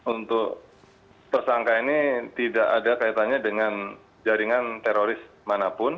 untuk tersangka ini tidak ada kaitannya dengan jaringan teroris manapun